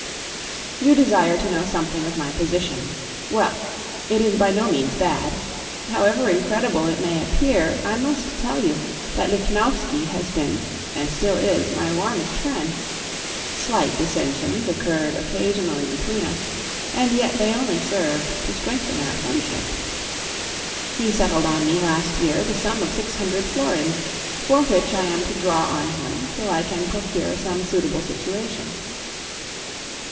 You desire to know something of my position; well! it is by no means bad. However incredible it may appear, I must tell you that Lichnowsky has been, and still is, my warmest friend (slight dissensions occurred occasionally between us, and yet they only served to strengthen our friendship). He settled on me last year the sum of 600 florins, for which I am to draw on him till I can procure some suitable situation.